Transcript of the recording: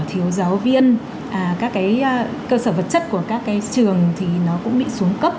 thiếu giáo viên các cái cơ sở vật chất của các cái trường thì nó cũng bị xuống cấp